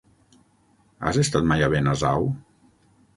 Has estat mai a Benasau?